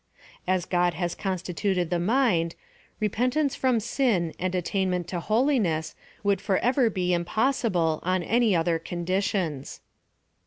As God has constituted the mind, re pentancefrom sin and attainment to holiness, would for ever be impossible on any other conditions.